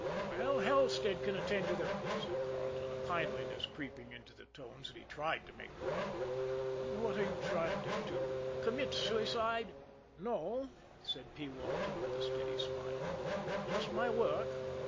"Well, Halstead can attend to them," said Carleton, a kindliness creeping into the tones that he tried to make gruff. "What are you trying to do commit suicide?" "No," said P. Walton, with a steady smile, "just my work.